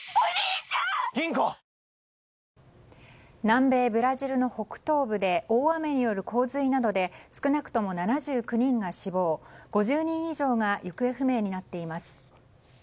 南米ブラジルの北東部で大雨による洪水などで少なくとも７９人が死亡５０人以上が行方不明になっています。